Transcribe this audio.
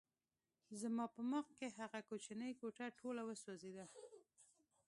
زما په مخکې هغه کوچنۍ کوټه ټوله وسوځېده